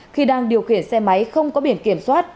khi đang điều khiển xe máy không có biển kiểm soát